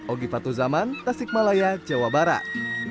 ogipatu zaman tasik malaya jawa barat